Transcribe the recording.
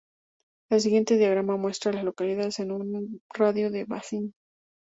El siguiente diagrama muestra a las localidades en un radio de de Basin.